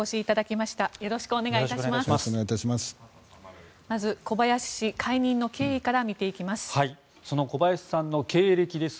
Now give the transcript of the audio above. まず、小林氏解任の経緯から見ていきます。